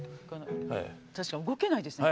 確かに動けないですね。